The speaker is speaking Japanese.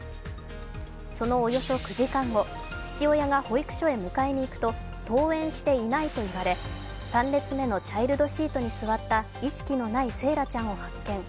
そのおよそ９時間後、父親が保育所に迎えに行くと登園していないと言われ、３列目のチャイルドシートに座った意識のない惺愛ちゃんを発見。